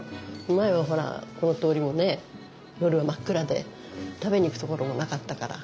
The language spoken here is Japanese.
前はほらこの通りもね夜真っ暗で食べに行く所もなかったから。